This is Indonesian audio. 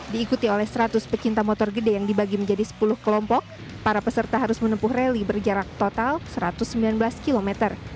diikuti oleh seratus pecinta motor gede yang dibagi menjadi sepuluh kelompok para peserta harus menempuh rally berjarak total satu ratus sembilan belas km